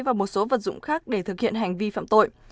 và một số vật dụng khác để thực hiện hành vi phạm tội